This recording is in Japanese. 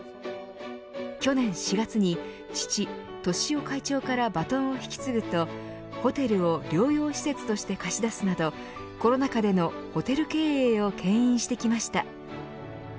去年４月に父、外志雄会長からバトンを引き継ぐとホテルを療養施設として貸し出すなどコロナ禍でのホテル経営をけん引してきました。